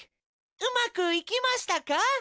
うまくいきましたか？